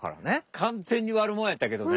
完全にわるもんやったけどね。